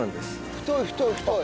太い太い太い！